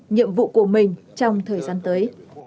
nhiệm vụ của mình trong thời gian tới